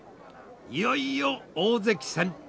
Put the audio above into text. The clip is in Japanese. いよいよ大関戦！